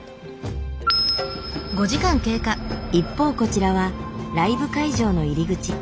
一方こちらはライブ会場の入り口。